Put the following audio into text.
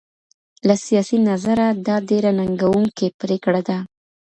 له سياسي نظره دا ډېره ننګوونکې پريکړه ده.